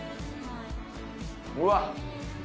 うわっ。